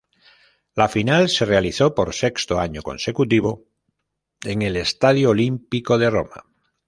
La final se realizó por sexto año consecutivo en el Estadio Olímpico de Roma.